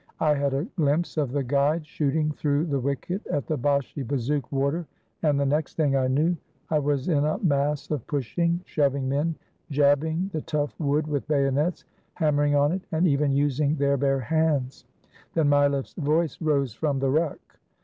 I had a glimpse of the guide shooting through the wicket at the Bashi bazouk warder, and the 428 AN ATTACK ON THE BASHI BAZOUKS next thing I knew, I was in a mass of pushing, shov ing men, jabbing the tough wood with bayonets, ham mering on it, and even using their bare hands. Then Mileff's voice rose from the ruck.